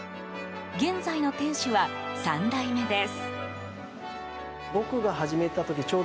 現在の店主は３代目です。